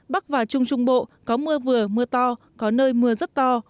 bắc và trung trung bộ có mưa vừa mưa to có nơi mưa rất to